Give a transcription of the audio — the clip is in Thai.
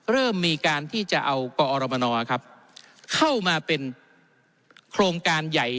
เริ่มมีการที่จะเอากอรมนเข้ามาเป็นโครงการใหญ่